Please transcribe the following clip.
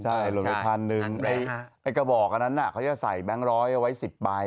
ใช่หล่นไปพันหนึ่งไอ้กระบอกอันนั้นเขาจะใส่แบงค์ร้อยเอาไว้๑๐ใบ